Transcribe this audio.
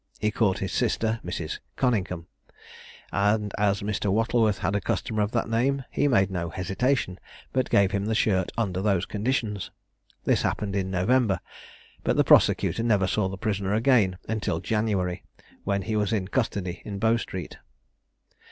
He called his sister Mrs. Coningham; and as Mr. Wattleworth had a customer of that name, he made no hesitation, but gave him the shirt under those conditions. This happened in November; but the prosecutor never saw the prisoner again until January, when he was in custody in Bow Street.